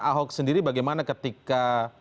ahok sendiri bagaimana ketika